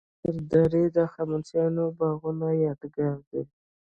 د فراه انار درې د هخامنشي باغونو یادګار دی